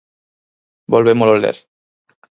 Volvémolo ler.